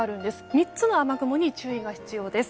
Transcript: ３つの雨雲に注意が必要です。